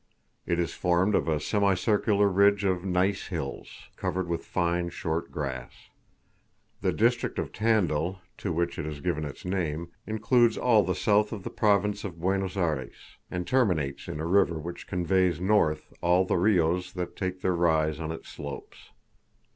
It is formed of a semi circular ridge of gneiss hills, covered with fine short grass. The district of Tandil, to which it has given its name, includes all the south of the Province of Buenos Ayres, and terminates in a river which conveys north all the RIOS that take their rise on its slopes.